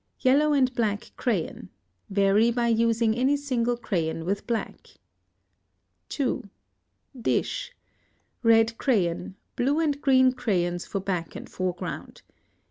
Yellow and black crayon. Vary by using any single crayon with black. 2. Dish. Red crayon, blue and green crayons for back and foreground.